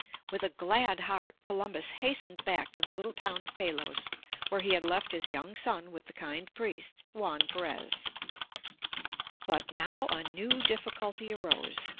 With a glad heart Columbus hastened back to the little town of Palos where he had left his young son with the kind priest, Juan Perez. Ill But now a new difficulty arose.